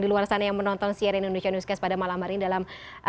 di luar sana yang menonton cnn indonesia newscast pada malam hari ini dalam